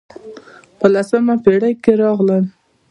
په لسمه پېړۍ کې راغلل.